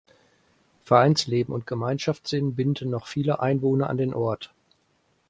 Vereinsleben und Gemeinschaftssinn binden noch viele Einwohner an den Ort.